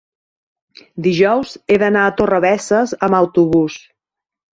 dijous he d'anar a Torrebesses amb autobús.